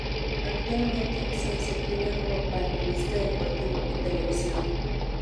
Actualmente se desempeña como panelista deportivo en televisión.